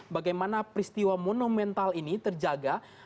bagaimana peristiwa monumental ini terjaga